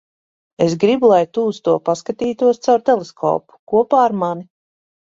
Es gribu, lai tu uz to paskatītos caur teleskopu - kopā ar mani.